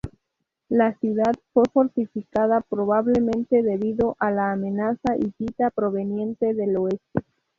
La ciudad fue fortificada, probablemente debido a la amenaza hitita proveniente del oeste.